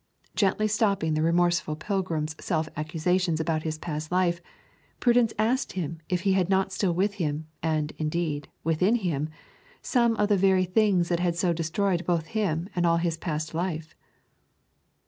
Gently stopping the remorseful pilgrim's self accusations about his past life, Prudence asked him if he had not still with him, and, indeed, within him, some of the very things that had so destroyed both him and all his past life.